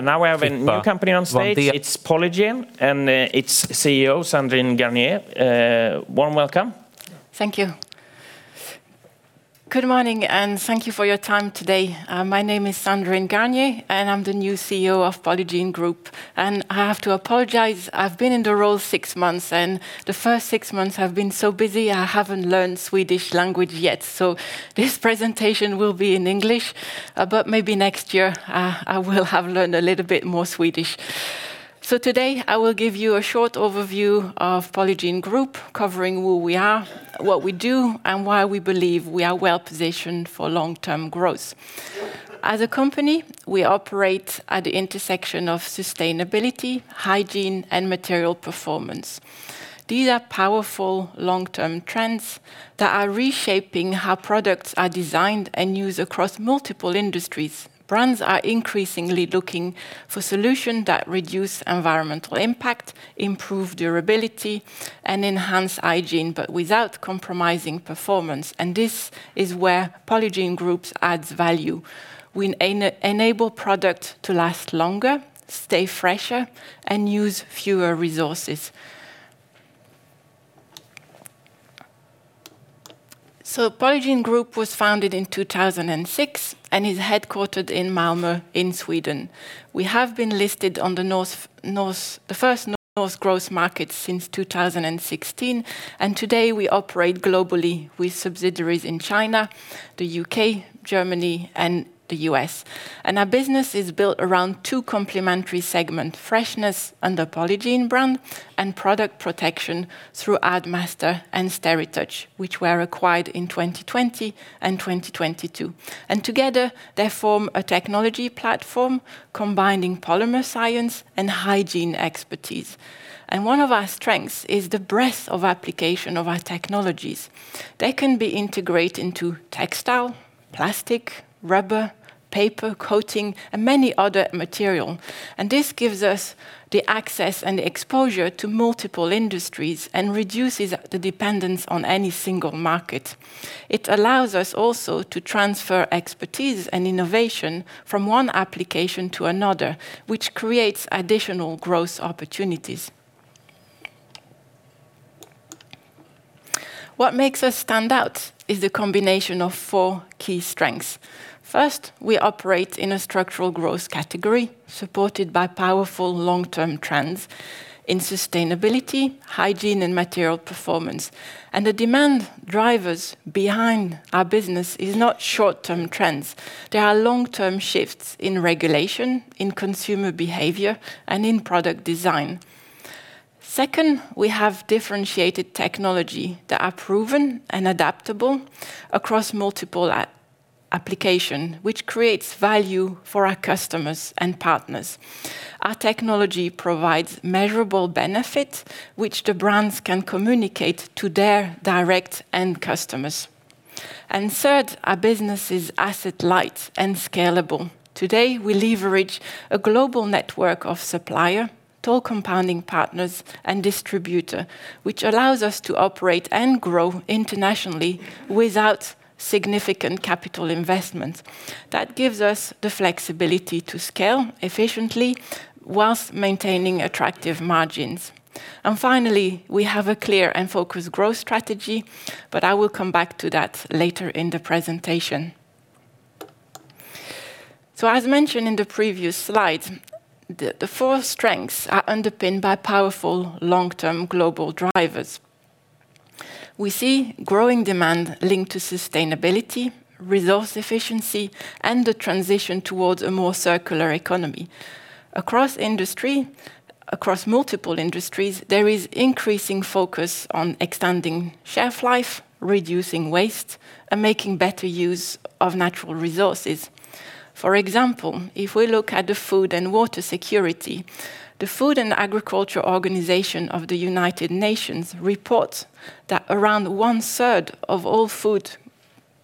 Now we have a new company on stage. It is Polygiene and its CEO, Sandrine Garnier. Warm welcome. Thank you. Good morning, thank you for your time today. My name is Sandrine Garnier, and I am the new CEO of Polygiene Group. I have to apologize, I have been in the role six months, and the first six months have been so busy, I have not learned Swedish language yet. This presentation will be in English, but maybe next year, I will have learned a little bit more Swedish. Today, I will give you a short overview of Polygiene Group, covering who we are, what we do, and why we believe we are well-positioned for long-term growth. As a company, we operate at the intersection of sustainability, hygiene, and material performance. These are powerful long-term trends that are reshaping how products are designed and used across multiple industries. Brands are increasingly looking for solutions that reduce environmental impact, improve durability, and enhance hygiene, but without compromising performance. This is where Polygiene Group adds value. We enable product to last longer, stay fresher, and use fewer resources. Polygiene Group was founded in 2006 and is headquartered in Malmö in Sweden. We have been listed on the First North Growth Market since 2016, and today we operate globally with subsidiaries in China, the U.K., Germany, and the U.S. Our business is built around two complementary segment, freshness under Polygiene brand, and product protection through Addmaster and SteriTouch, which were acquired in 2020 and 2022. Together, they form a technology platform combining polymer science and hygiene expertise. One of our strengths is the breadth of application of our technologies. They can be integrated into textile, plastic, rubber, paper coating, and many other material. This gives us the access and exposure to multiple industries and reduces the dependence on any single market. It allows us also to transfer expertise and innovation from one application to another, which creates additional growth opportunities. What makes us stand out is the combination of four key strengths. First, we operate in a structural growth category supported by powerful long-term trends in sustainability, hygiene, and material performance. The demand drivers behind our business is not short-term trends. There are long-term shifts in regulation, in consumer behavior, and in product design. Second, we have differentiated technology that are proven and adaptable across multiple application, which creates value for our customers and partners. Our technology provides measurable benefit, which the brands can communicate to their direct end customers. Third, our business is asset-light and scalable. Today, we leverage a global network of supplier, toll compounding partners, and distributor, which allows us to operate and grow internationally without significant capital investment. That gives us the flexibility to scale efficiently whilst maintaining attractive margins. Finally, we have a clear and focused growth strategy, but I will come back to that later in the presentation. As mentioned in the previous slide, the four strengths are underpinned by powerful long-term global drivers. We see growing demand linked to sustainability, resource efficiency, and the transition towards a more circular economy. Across multiple industries, there is increasing focus on extending shelf life, reducing waste, and making better use of natural resources. For example, if we look at the food and water security, the Food and Agriculture Organization of the United Nations reports that around one third of all food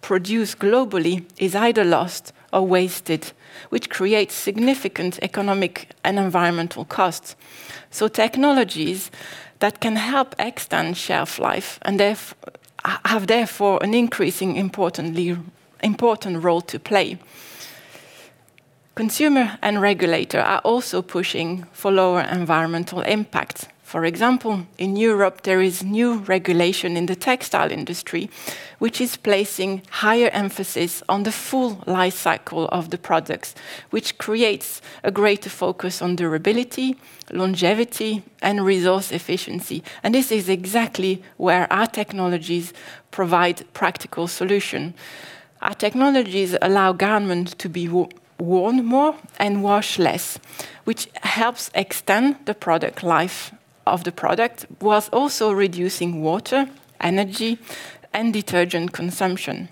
produced globally is either lost or wasted, which creates significant economic and environmental costs. Technologies that can help extend shelf life and have therefore an increasing important role to play. Consumer and regulator are also pushing for lower environmental impact. For example, in Europe, there is new regulation in the textile industry, which is placing higher emphasis on the full life cycle of the products, which creates a greater focus on durability, longevity, and resource efficiency. This is exactly where our technologies provide practical solution. Our technologies allow garments to be worn more and washed less, which helps extend the product life of the product whilst also reducing water, energy, and detergent consumption.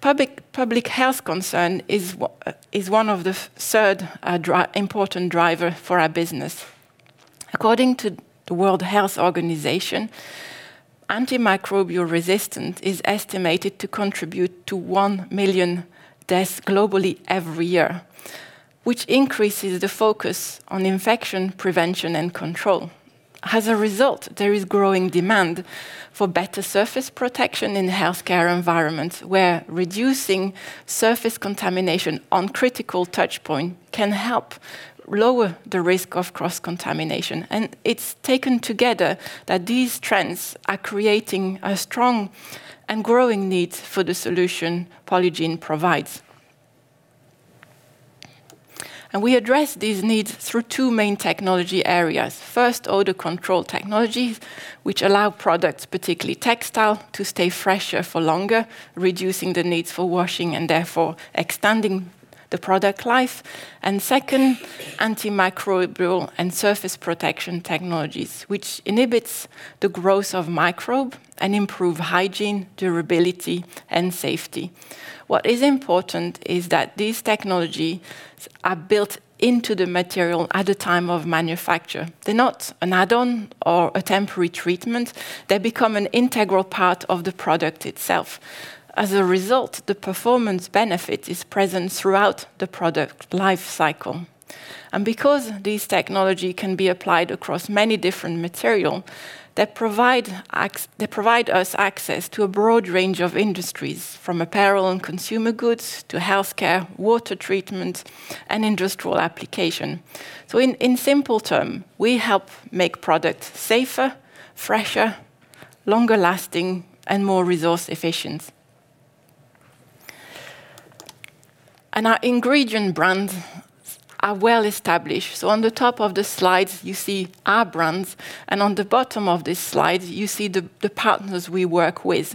Public health concern is one of the third important driver for our business. According to the World Health Organization, antimicrobial resistance is estimated to contribute to 1 million deaths globally every year, which increases the focus on infection prevention and control. As a result, there is growing demand for better surface protection in healthcare environments, where reducing surface contamination on critical touchpoint can help lower the risk of cross-contamination. It's taken together that these trends are creating a strong and growing need for the solution Polygiene provides. We address these needs through two main technology areas. First, odor control technologies, which allow products, particularly textile, to stay fresher for longer, reducing the needs for washing and therefore extending the product life. Second, antimicrobial and surface protection technologies, which inhibits the growth of microbe and improve hygiene, durability, and safety. What is important is that these technology are built into the material at the time of manufacture. They're not an add-on or a temporary treatment. They become an integral part of the product itself. As a result, the performance benefit is present throughout the product life cycle. Because this technology can be applied across many different material, they provide us access to a broad range of industries, from apparel and consumer goods to healthcare, water treatment, and industrial application. In simple term, we help make products safer, fresher, longer lasting, and more resource efficient. Our ingredient brands are well-established. On the top of the slide, you see our brands, and on the bottom of this slide, you see the partners we work with.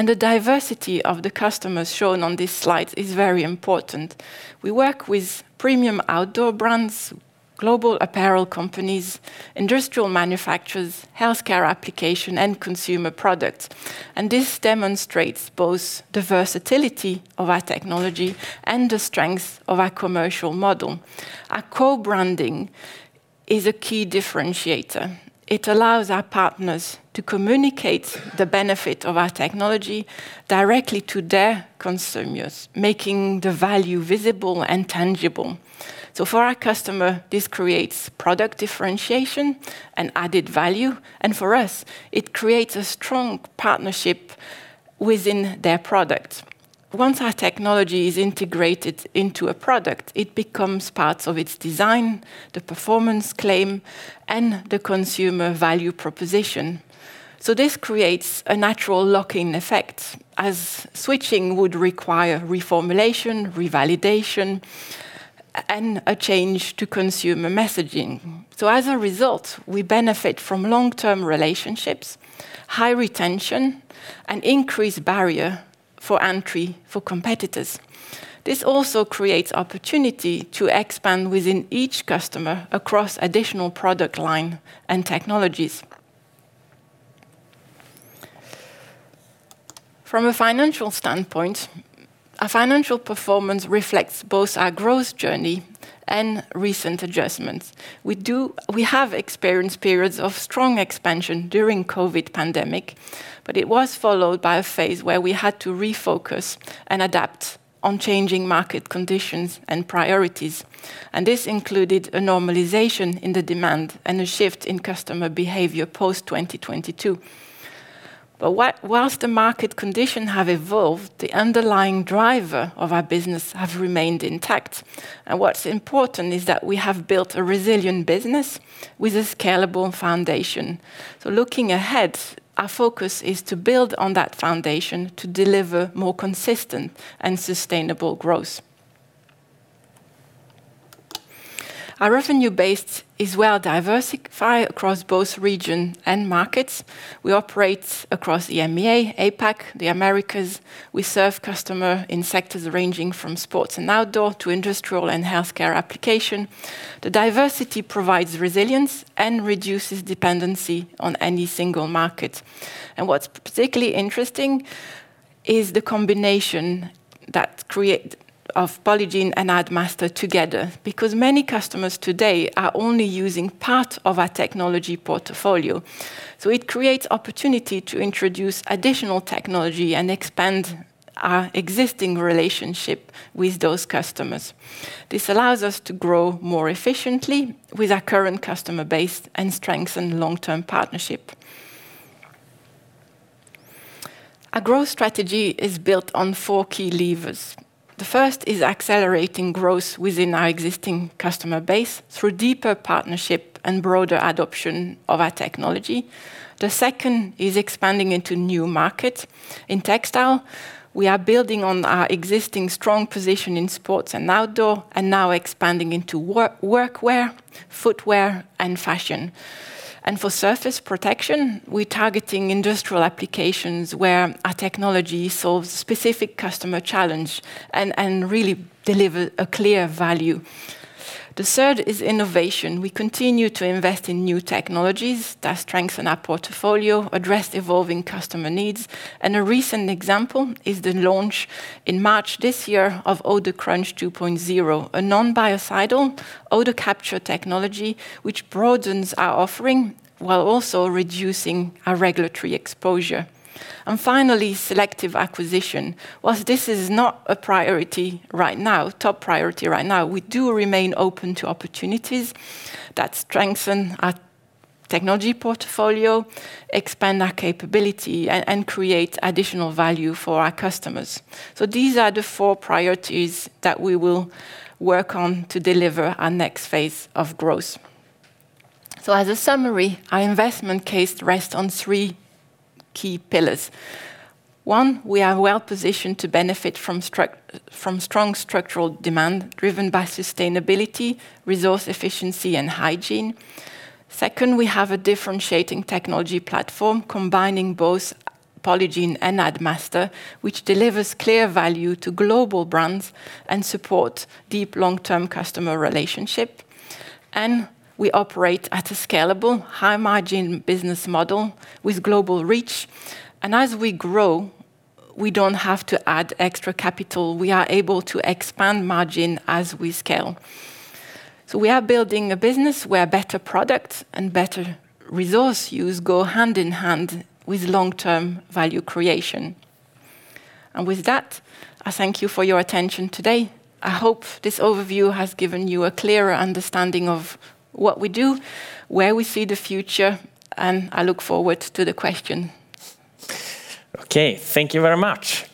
The diversity of the customers shown on this slide is very important. We work with premium outdoor brands, global apparel companies, industrial manufacturers, healthcare application, and consumer products. This demonstrates both the versatility of our technology and the strength of our commercial model. Our co-branding is a key differentiator. It allows our partners to communicate the benefit of our technology directly to their consumers, making the value visible and tangible. For our customer, this creates product differentiation and added value, and for us, it creates a strong partnership within their product. Once our technology is integrated into a product, it becomes part of its design, the performance claim, and the consumer value proposition. This creates a natural lock-in effect, as switching would require reformulation, revalidation, and a change to consumer messaging. As a result, we benefit from long-term relationships, high retention, and increased barrier for entry for competitors. This also creates opportunity to expand within each customer across additional product line and technologies. From a financial standpoint, our financial performance reflects both our growth journey and recent adjustments. We have experienced periods of strong expansion during COVID pandemic, but it was followed by a phase where we had to refocus and adapt on changing market conditions and priorities. This included a normalization in the demand and a shift in customer behavior post-2022. Whilst the market condition have evolved, the underlying driver of our business have remained intact. What's important is that we have built a resilient business with a scalable foundation. Looking ahead, our focus is to build on that foundation to deliver more consistent and sustainable growth. Our revenue base is well-diversified across both region and markets. We operate across EMEA, APAC, the Americas. We serve customer in sectors ranging from sports and outdoor to industrial and healthcare application. The diversity provides resilience and reduces dependency on any single market. What's particularly interesting is the combination of Polygiene and Addmaster together, because many customers today are only using part of our technology portfolio. It creates opportunity to introduce additional technology and expand our existing relationship with those customers. This allows us to grow more efficiently with our current customer base and strengthen long-term partnership. Our growth strategy is built on four key levers. The first is accelerating growth within our existing customer base through deeper partnership and broader adoption of our technology. The second is expanding into new markets. In textile, we are building on our existing strong position in sports and outdoor and now expanding into work wear, footwear, and fashion. For surface protection, we're targeting industrial applications where our technology solves specific customer challenge and really deliver a clear value. The third is innovation. We continue to invest in new technologies that strengthen our portfolio, address evolving customer needs, and a recent example is the launch in March this year of OdorCrunch 2.0, a non-biocidal odor capture technology which broadens our offering while also reducing our regulatory exposure. Finally, selective acquisition. Whilst this is not a top priority right now, we do remain open to opportunities that strengthen our technology portfolio, expand our capability, and create additional value for our customers. These are the four priorities that we will work on to deliver our next phase of growth. As a summary, our investment case rests on three key pillars. One, we are well positioned to benefit from strong structural demand driven by sustainability, resource efficiency, and hygiene. Second, we have a differentiating technology platform combining both Polygiene and Addmaster, which delivers clear value to global brands and support deep long-term customer relationship. We operate at a scalable high-margin business model with global reach. As we grow, we don't have to add extra capital. We are able to expand margin as we scale. We are building a business where better product and better resource use go hand in hand with long-term value creation. With that, I thank you for your attention today. I hope this overview has given you a clearer understanding of what we do, where we see the future, and I look forward to the question. Okay. Thank you very much.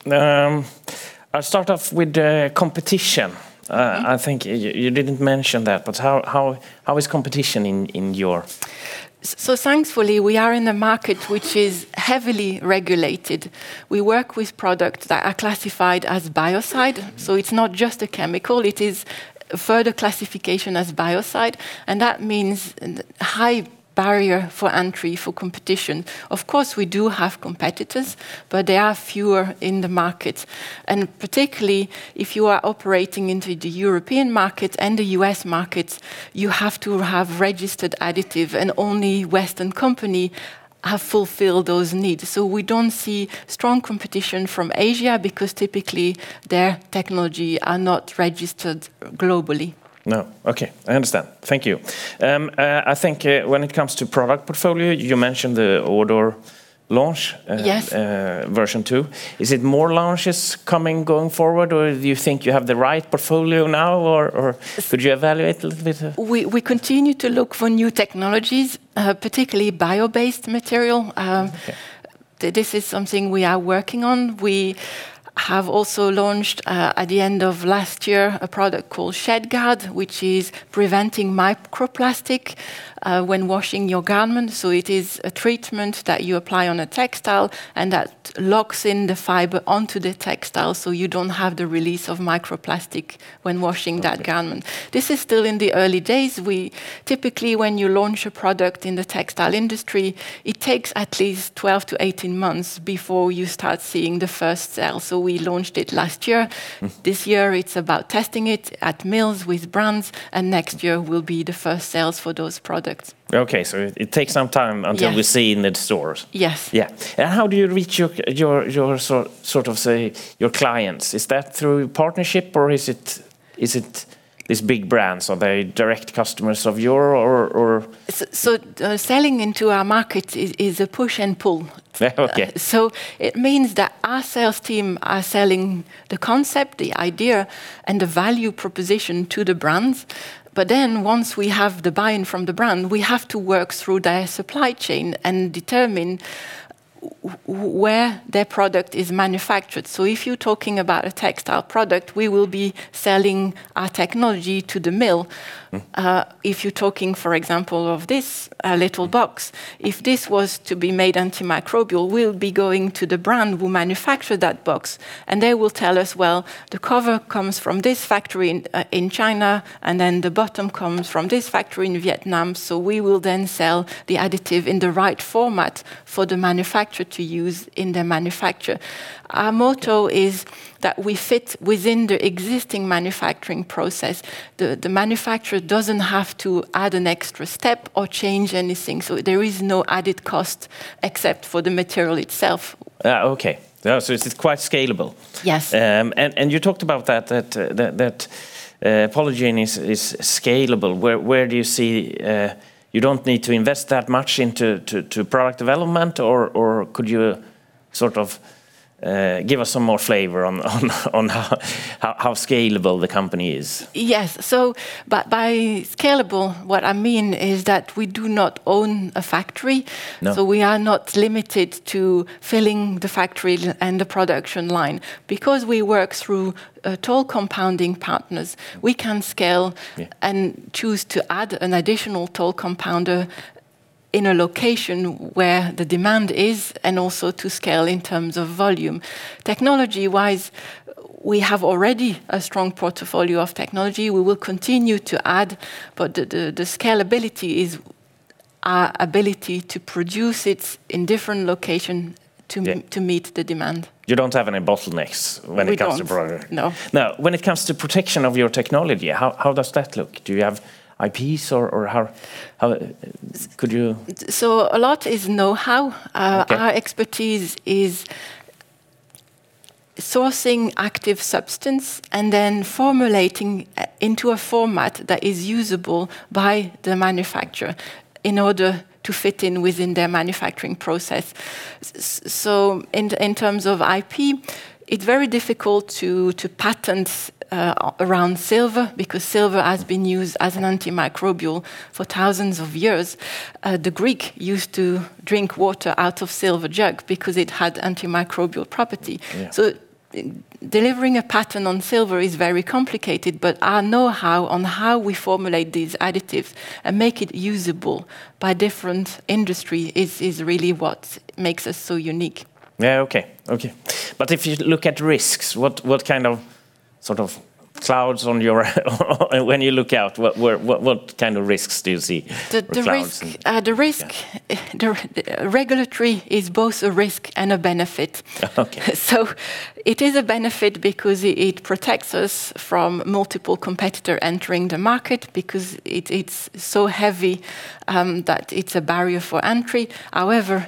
I'll start off with the competition. I think you didn't mention that, but how is competition in your? Thankfully, we are in the market which is heavily regulated. We work with products that are classified as biocide. It's not just a chemical, it is further classification as biocide, and that means high barrier for entry for competition. Of course, we do have competitors, but there are fewer in the market, and particularly if you are operating into the European market and the U.S. market, you have to have registered additive, and only Western company have fulfilled those needs. We don't see strong competition from Asia because typically their technology are not registered globally. No. Okay. I understand. Thank you. I think when it comes to product portfolio, you mentioned the OdorCrunch 2.0. Yes. Is it more launches coming going forward, or do you think you have the right portfolio now, or could you evaluate a little bit? We continue to look for new technologies, particularly bio-based material. This is something we are working on. We have also launched, at the end of last year, a product called ShedGuard, which is preventing microplastic when washing your garment. It is a treatment that you apply on a textile, and that locks in the fiber onto the textile, so you don't have the release of microplastic when washing that garment. This is still in the early days. Typically, when you launch a product in the textile industry, it takes at least 12-18 months before you start seeing the first sale. We launched it last year. This year, it's about testing it at mills with brands, and next year will be the first sales for those products. Okay, it takes some time until- Yes.... we see it in stores. Yes. Yeah. How do you reach your clients? Is that through partnership, or these big brands, are they direct customers of yours? Selling into our market is a push and pull. Okay. It means that our sales team are selling the concept, the idea, and the value proposition to the brands. Once we have the buy-in from the brand, we have to work through their supply chain and determine where their product is manufactured. If you're talking about a textile product, we will be selling our technology to the mill. If you're talking, for example, of this little box, if this was to be made antimicrobial, we'll be going to the brand who manufacture that box, and they will tell us, "Well, the cover comes from this factory in China, and then the bottom comes from this factory in Vietnam." We will then sell the additive in the right format for the manufacturer to use in their manufacture. Our motto is that we fit within the existing manufacturing process. The manufacturer doesn't have to add an extra step or change anything, so there is no added cost except for the material itself. Okay. It is quite scalable. Yes. You talked about that Polygiene is scalable. You don't need to invest that much into product development, or could you give us some more flavor on how scalable the company is? Yes. By scalable, what I mean is that we do not own a factory. No. We are not limited to filling the factory and the production line. Because we work through toll compounding partners, we can scale and- Yeah.... choose to add an additional toll compounder in a location where the demand is, and also to scale in terms of volume. Technology-wise, we have already a strong portfolio of technology. We will continue to add, but the scalability is our ability to produce it in different location to meet the demand. You don't have any bottlenecks when it comes to product. We don't. No. When it comes to protection of your technology, how does that look? Do you have IPs? Could you? A lot is know-how. Okay. Our expertise is sourcing active substance and then formulating into a format that is usable by the manufacturer in order to fit in within their manufacturing process. In terms of IP, it is very difficult to patent around silver, because silver has been used as an antimicrobial for thousands of years. The Greek used to drink water out of silver jug because it had antimicrobial property. Yeah. Delivering a patent on silver is very complicated, our know-how on how we formulate these additives and make it usable by different industry is really what makes us so unique. Yeah, okay. If you look at risks, what kind of clouds on your when you look out, what kind of risks do you see? The risk- Yeah. Regulatory is both a risk and a benefit. Okay. It is a benefit because it protects us from multiple competitors entering the market because it's so heavy that it's a barrier for entry.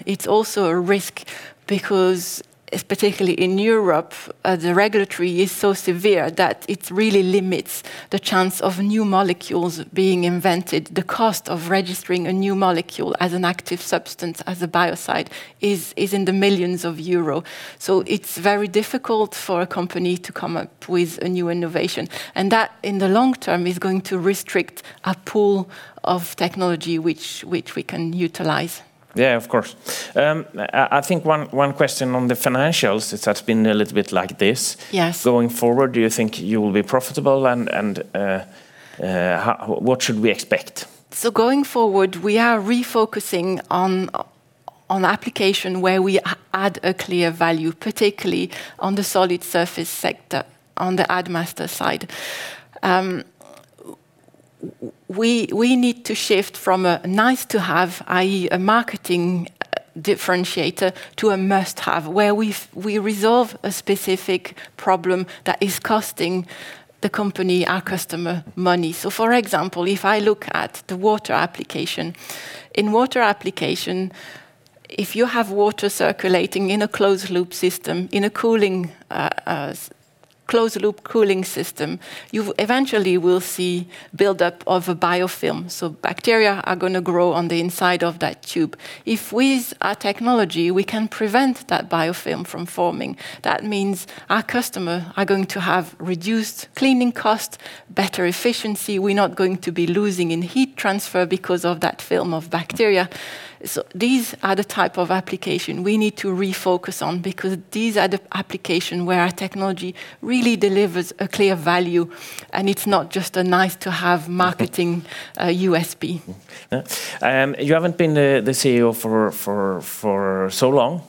It's also a risk because, particularly in Europe, the regulatory is so severe that it really limits the chance of new molecules being invented. The cost of registering a new molecule as an active substance, as a biocide is in the millions of euro. It's very difficult for a company to come up with a new innovation, and that, in the long term, is going to restrict a pool of technology which we can utilize. Yeah, of course. I think one question on the financials, since that's been a little bit like this. Yes. Going forward, do you think you'll be profitable, and what should we expect? Going forward, we are refocusing on application where we add a clear value, particularly on the solid surface sector, on the Addmaster side. We need to shift from a nice to have, i.e. a marketing differentiator, to a must have, where we resolve a specific problem that is costing the company, our customer, money. For example, if I look at the water application, if you have water circulating in a closed-loop system, in a closed-loop cooling system, you eventually will see build-up of a biofilm. Bacteria are going to grow on the inside of that tube. If with our technology, we can prevent that biofilm from forming, that means our customer are going to have reduced cleaning cost, better efficiency. We're not going to be losing in heat transfer because of that film of bacteria. These are the type of application we need to refocus on because these are the application where our technology really delivers a clear value, and it's not just a nice to have marketing USP. You haven't been the CEO for so long.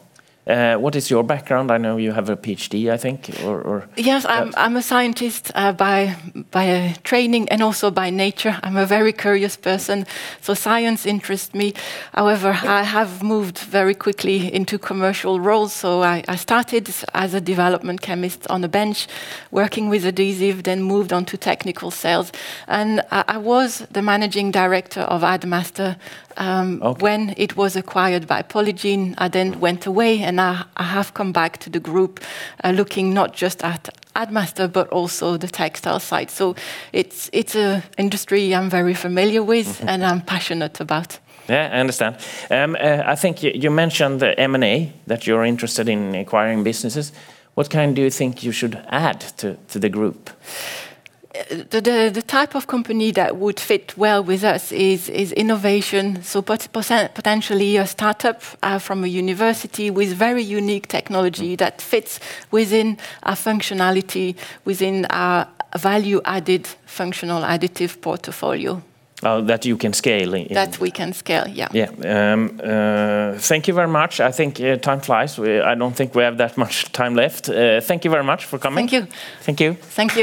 What is your background? I know you have a Ph.D., I think. Yes, I'm a scientist by training and also by nature. I'm a very curious person, so science interests me. However, I have moved very quickly into commercial roles. I started as a development chemist on the bench working with adhesive, then moved on to technical sales. I was the managing director of Addmaster. Okay when it was acquired by Polygiene. I then went away and now I have come back to the group, looking not just at Addmaster, but also the textile side. It's an industry I'm very familiar with and I'm passionate about. Yeah, I understand. I think you mentioned the M&A, that you're interested in acquiring businesses. What kind do you think you should add to the group? The type of company that would fit well with us is innovation, potentially a startup from a university with very unique technology that fits within our functionality, within our value-added functional additive portfolio. Oh, that you can scale. That we can scale, yeah. Yeah. Thank you very much. I think time flies. I don't think we have that much time left. Thank you very much for coming. Thank you. Thank you. Thank you.